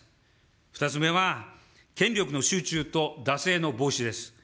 ２つ目は、権力の集中と惰性の防止です。